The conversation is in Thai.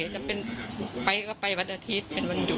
จะเป็นไปก็ไปวันอาทิตย์เป็นวันหยุด